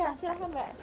iya silahkan mbak